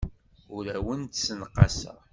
Ur awent-d-ssenqaseɣ.